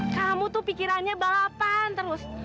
kamu tuh pikirannya balapan terus